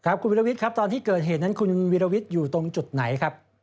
คุณวิรวิทย์ครับตอนที่เกิดเหตุนั้นคุณวิรวิทย์อยู่ตรงจุดไหนครับ